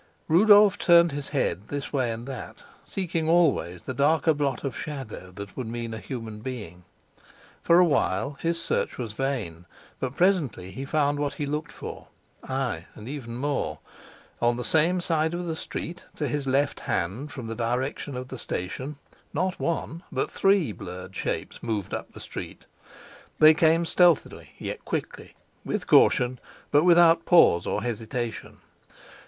Rudolf turned his head this way and that, seeking always the darker blot of shadow that would mean a human being. For a while his search was vain, but presently he found what he looked for ay, and even more. On the same side of the street, to his left hand, from the direction of the station, not one, but three blurred shapes moved up the street. They came stealthily, yet quickly; with caution, but without pause or hesitation.